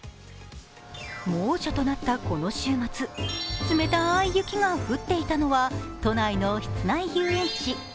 猛暑となったこの週末、冷たい雪が降っていたのは都内の室内遊園地。